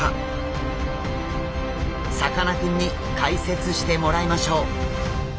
さかなクンに解説してもらいましょう。